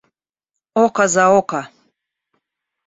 Око за око!